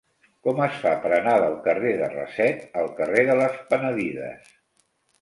Com es fa per anar del carrer de Raset al carrer de les Penedides?